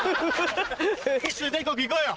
一緒に全国行こうよ！